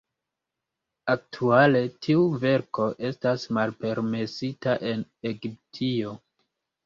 Aktuale tiu verko estas malpermesita en Egiptio.